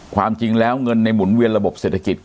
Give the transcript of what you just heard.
ความจริงแล้วเงินในหมุนเวียนระบบเศรษฐกิจ